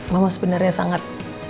mama sebenarnya sangat